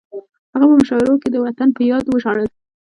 هغه په مشاعره کې د وطن په یاد وژړل